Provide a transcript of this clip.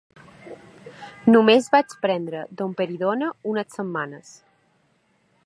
Només vaig prendre domperidona unes setmanes.